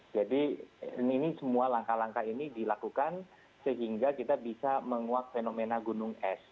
jadi ini semua langkah langkah ini dilakukan sehingga kita bisa menguak fenomena gunung es